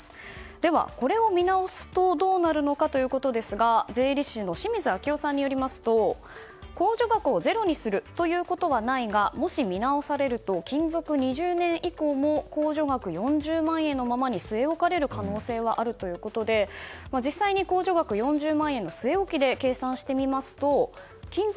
では、これを見直すとどうなるのかですが税理士の清水明夫さんによりますと控除額をゼロにするということはないがもし見直されると勤続２０年以降も控除額４０万円のままに据え置かれる可能性はあるということで実際に控除額４０万円の据え置きで計算してみますと勤続